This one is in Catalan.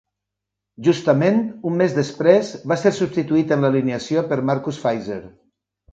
Justament un mes després, va ser substituït en l'alineació per Marcus Fizer.